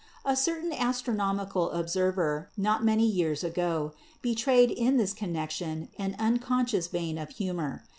A certain astronomical observer, not many years ago, betrayed in this connection an unconscious vein of humor.